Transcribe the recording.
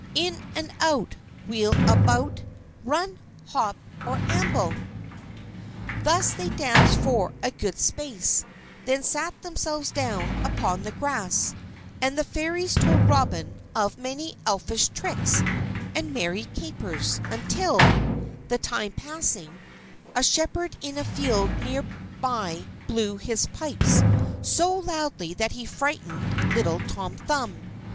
In and out, wheel about, Run, hop, or amble!_" Thus they danced for a good space, then sat themselves down upon the grass, and the Fairies told Robin of many Elfish tricks and merry capers; until, the time passing, a shepherd in a field near by blew his pipes so loudly that he frightened little Tom Thumb.